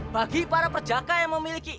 bagi para perjaka yang memiliki